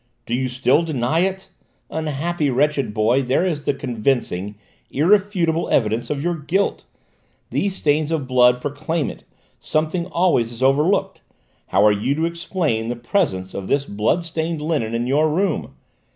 "Do you still deny it? Unhappy, wretched boy, there is the convincing, irrefutable evidence of your guilt! These stains of blood proclaim it. Something always is overlooked! How are you to explain the presence of this blood stained linen in your room?